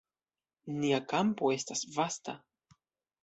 Nia kampo estas vasta.